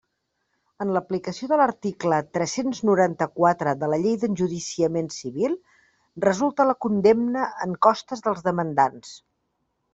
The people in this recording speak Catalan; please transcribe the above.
En aplicació de l'article tres-cents noranta-quatre de la Llei d'Enjudiciament Civil, resulta la condemna en costes dels demandants.